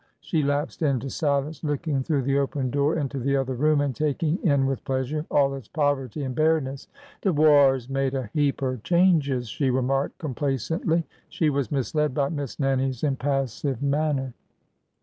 " She lapsed into silence, looking through the open door into the other room and taking in with plea sure all its poverty and bareness. De war 's made a heap er changes," she remarked complacently. She was misled by Miss Nannie's impas sive manner.